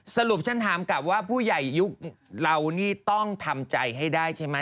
สรุปฉันถามกลับว่าผู้ใหญ่ยุคเรานี่ต้องทำใจให้ได้ใช่ไหม